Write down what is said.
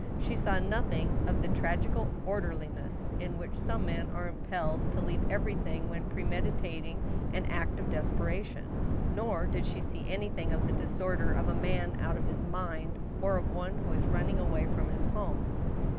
She saw nothing ot the tragical orderliness in which some men are impelled to leave everything when premeditat ing an act of desperation ; nor did she see anything of the disorder of a man out of his mind, or of one who is running away from his home.